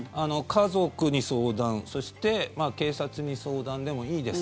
家族に相談そして警察に相談でもいいです。